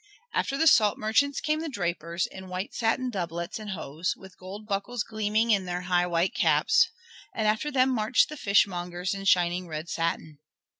After the salt merchants came the drapers, in white satin doublets and hose, with gold buckles gleaming in their high white caps, and after them marched the fishmongers in shining red satin.